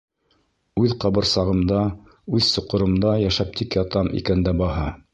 Үҙ ҡабырсағымда, үҙ соҡоромда йәшәп тик ятам икән дә баһа.